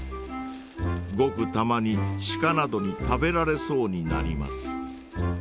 ごくたまにシカなどに食べられそうになります。